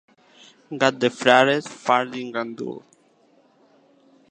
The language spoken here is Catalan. Gat de frares, fart i gandul.